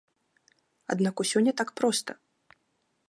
Аднак усё не так проста.